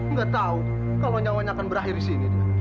nggak tahu kalau nyawanya akan berakhir di sini